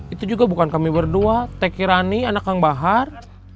itu juga bukan kami berdua teki rani anak yang bahar